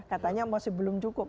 katanya masih belum cukup